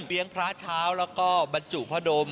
เลี้ยงพระเช้าแล้วก็บรรจุพระดม